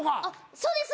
そうです。